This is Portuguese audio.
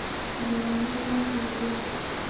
Jerônimo Monteiro